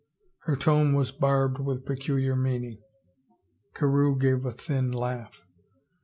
Her tone was barbed with peculiar meaning; Carewe gave a thin laugh.